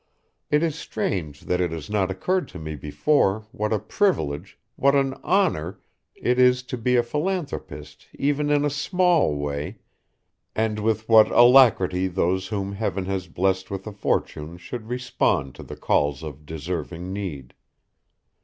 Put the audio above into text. It is strange that it has not occurred to me before what a privilege, what an honor, it is to be a philanthropist even in a small way, and with what alacrity those whom Heaven has blessed with a fortune should respond to the calls of deserving need.